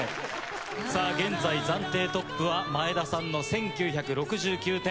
現在暫定トップは前田さんの１９６９点。